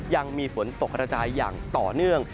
ยังมีฝนตกกระจายอย่างต่อเนื่อง